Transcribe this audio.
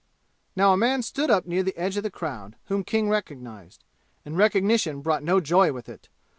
Now a man stood up near the edge of the crowd whom King recognized; and recognition brought no joy with it.